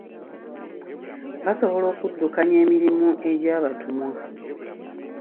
Basobola okuddukanya emirimu egyabatumwa.